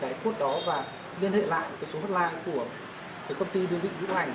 cái cốt đó và liên hệ lại cái số hotline của cái công ty đưa dịch lữ hành